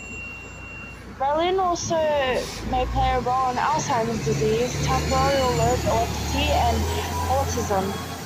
Reelin may also play a role in Alzheimer's disease, temporal lobe epilepsy and autism.